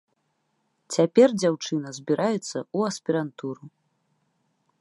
Цяпер дзяўчына збіраецца ў аспірантуру.